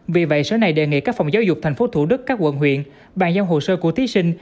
vì vậy sở này đề nghị các phòng giáo dục tp thủ đức các quận huyện bàn giao hồ sơ của thí sinh